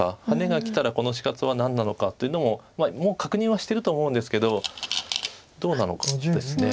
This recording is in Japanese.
ハネがきたらこの死活は何なのかというのももう確認はしてると思うんですけどどうなのかです。